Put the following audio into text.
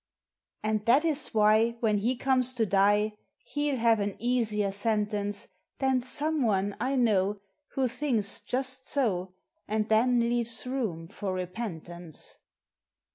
And that is why, when he comes to dfe, He '11 have an easier sentence Than some one I know who thinks just so, And then leaves room for repentance.